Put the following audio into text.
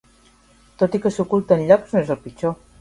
Tot i que s'oculten llocs, no és el pitjor.